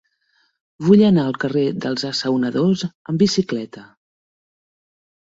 Vull anar al carrer dels Assaonadors amb bicicleta.